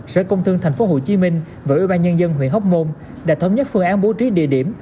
sở công thương tp hcm và ubnd huyện hóc môn đã thống nhất phương án bố trí địa điểm